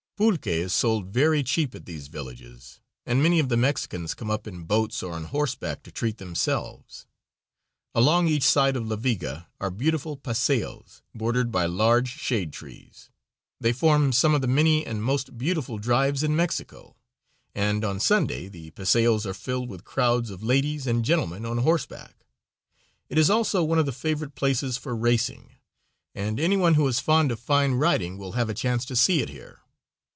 Pulque is sold very cheap at these villages, and many of the Mexicans come up in boats or on horseback to treat themselves. Along each side of La Viga ore beautiful paseos, bordered by large shade trees. They form some of the many and most beautiful drives in Mexico; and on Sunday the paseos are filled with crowds of ladies and gentlemen on horseback. It is also one of the favorite places for racing, and any one who is fond of fine riding will have a chance to see it here.